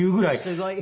すごい。